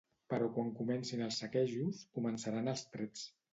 Però quan comencin els saquejos, començaran els trets.